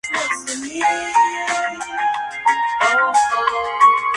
Se encuentra ubicado al suroeste de Barinas.